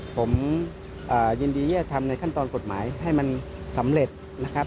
ผมยินดีที่จะทำในขั้นตอนกฎหมายให้มันสำเร็จนะครับ